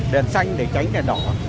đèn xanh để tránh đèn đỏ